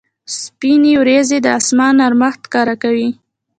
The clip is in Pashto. سپینې ورېځې د اسمان نرمښت ښکاره کوي.